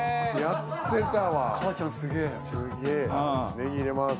ネギ入れます。